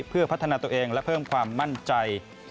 เพื่อพัฒนาตัวเองและเพิ่มความมั่นใจ